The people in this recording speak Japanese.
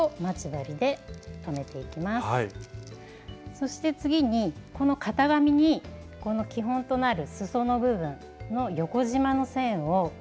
そして次にこの型紙にこの基本となるすその部分の横じまの線を全体に描いていきます。